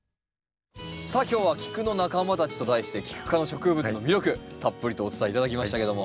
さあ今日は「キクの仲間たち」と題してキク科の植物の魅力たっぷりとお伝え頂きましたけども。